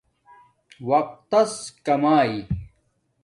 وقت تس کماݵ